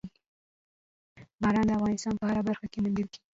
باران د افغانستان په هره برخه کې موندل کېږي.